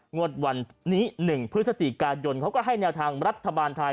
งวดวันนี้๑พฤศจิกายนเขาก็ให้แนวทางรัฐบาลไทย